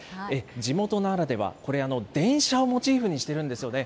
地元ならでは、これ、電車をモチーフにしてるんですよね。